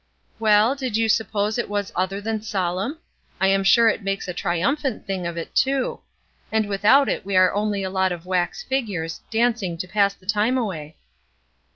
"Well, did you suppose it was other than solemn? I'm sure it makes a triumphant thing of it, too; and without it we are only a lot of wax figures, dancing to pass the time away."